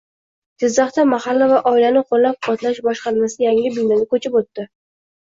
Jizzaxda mahalla va oilani qo‘llab-quvvatlash boshqarmasi yangi binoga ko‘chib o‘tdi